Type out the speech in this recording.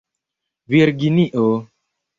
virginio